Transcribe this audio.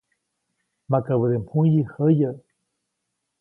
Makabäde mjuyi jäyäʼ.